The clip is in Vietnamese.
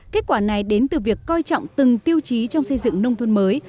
kết quả này đến từ việc coi trọng từng tiêu chí trong xây dựng nông thôn mới